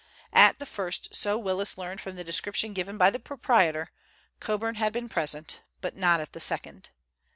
At the first, so Willis learned from the description given by the proprietor, Coburn had been present, but not at the second.